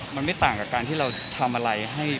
มันไม่ต่างกับการที่เราทำอะไรให้